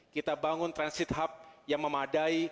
kita bangun transit hub yang memadai